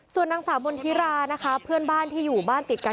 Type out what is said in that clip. โฟวิตเนาะแต่พูดจริงคนเราแม็กซ์ไม่ใส่เราก็จะรู้ว่าเป็น